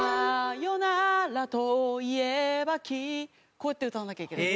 こうやって歌わなきゃいけない。